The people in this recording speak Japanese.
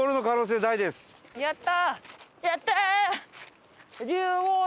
やったー！